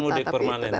saya mudik permanen